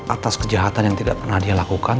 atas kejahatan yang tidak pernah dia lakukan